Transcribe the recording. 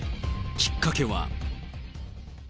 きっかけは。